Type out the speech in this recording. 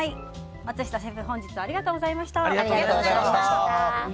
松下シェフ、本日はありがとうございました。